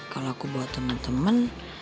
kalo aku bawa temen temen